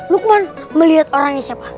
lukman melihat orangnya siapa